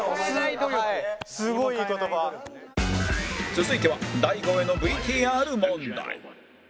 続いては大悟への ＶＴＲ 問題